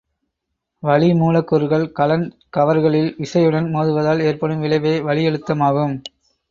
வளிமூலக்கூறுகள் கலன் கவர்களில் விசையுடன் மோதுவதால் ஏற்படும் விளைவே வளியழுத்தமாகும்.